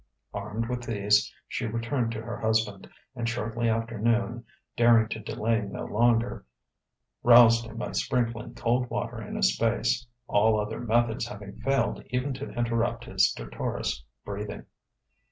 Armed with these, she returned to her husband, and shortly after noon, daring to delay no longer, roused him by sprinkling cold water in his face all other methods having failed even to interrupt his stertorous breathing.